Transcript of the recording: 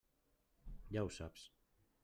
Ja ho saps.